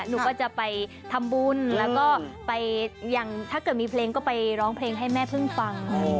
หนูก็จะไปทำบุญแล้วก็ไปอย่างถ้าเกิดมีเพลงก็ไปร้องเพลงให้แม่พึ่งฟัง